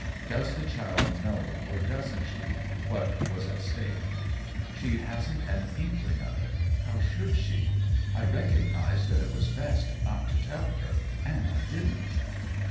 " Does the child know, or doesn't she, what was at stake ?"" She hasn't an inkling of it — how should she? I recognized that it was best not to tell her— and I didn't."